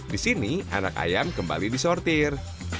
di sini anak ayam kembali disortir